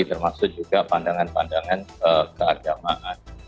termasuk juga pandangan pandangan keagamaan